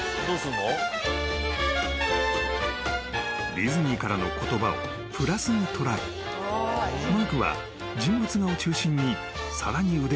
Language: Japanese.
［ディズニーからの言葉をプラスに捉えマークは人物画を中心にさらに腕を磨いていく］